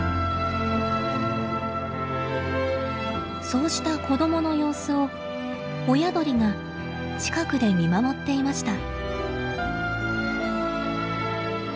そうした子供の様子を親鳥が近くで見守っていました。